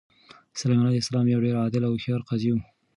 سلیمان علیه السلام یو ډېر عادل او هوښیار قاضي و.